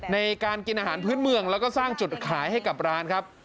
ในการกินอาหารพื้นเมืองแล้วก็สร้างจุดขายให้กับร้านครับ